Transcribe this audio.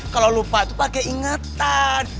kalau lupa itu pakai ingatan